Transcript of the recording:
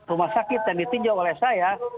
rumah sakit yang ditinjau oleh saya